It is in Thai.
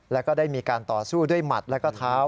แล้วก็ได้มีการต่อสู้ด้วยหมัดแล้วก็เท้า